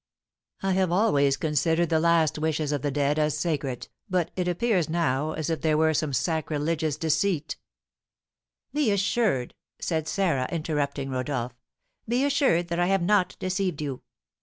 "I have always considered the last wishes of the dead as sacred, but it appears now as if there were some sacrilegious deceit " "Be assured," said Sarah, interrupting Rodolph, "be assured that I have not deceived you!